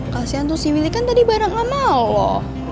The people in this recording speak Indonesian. kasian tuh si willy kan tadi bareng sama lo